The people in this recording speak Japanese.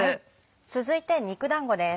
続いて肉だんごです。